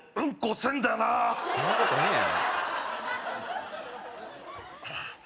そんなことねえよ